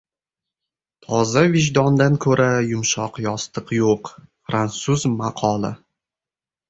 Toza vijdondan ko‘ra yumshoq yostiq yo‘q. Frantsuz maqoli